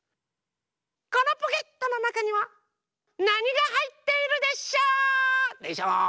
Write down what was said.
このポケットのなかにはなにがはいっているでショー？でショー？